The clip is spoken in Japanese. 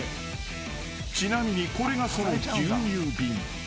［ちなみにこれがその牛乳瓶］